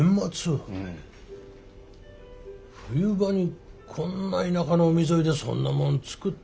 冬場にこんな田舎の海沿いでそんなもん作ってやっていけるがかえ？